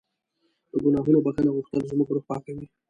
د ګناهونو بښنه غوښتل زموږ روح پاکوي.